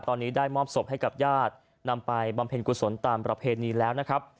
ตอนนี้ได้มอบศพให้กับญาตินำไปบำเพ็ญกุศลตามประเพณีแล้วนะครับ